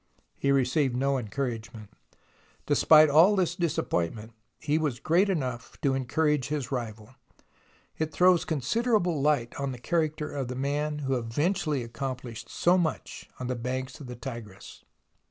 He received no encouragement. Despite all this disappointment, he was great enough to encourage his rival. It throws considerable light on the character of the man who eventually accomplished so much on the banks of the Tigris.